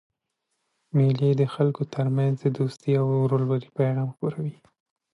مېلې د خلکو ترمنځ د دوستۍ او ورورولۍ پیغام خپروي.